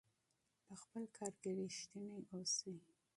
په خپل کار کې ریښتیني اوسئ.